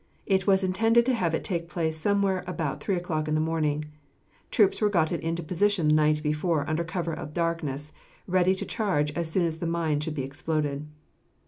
It was intended to have it take place somewhere about three o'clock in the morning. Troops were gotten into position the night before under cover of the darkness, ready to charge as soon as the mine should be exploded.